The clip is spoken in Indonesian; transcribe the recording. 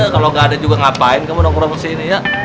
kalo gaada juga ngapain kamu nomorong kesini ya